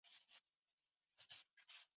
十六国后燕开国君主。